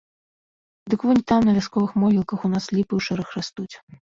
Дык вунь там на вясковых могілках у нас ліпы ў шэраг растуць.